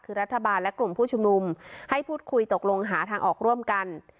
คือรัฐบาลและกลุ่มผู้ชุมนุมให้พูดคุยตกลงหาทางออกร่วมกัน